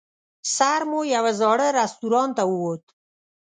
سر مو یوه زاړه رستورانت ته ووت.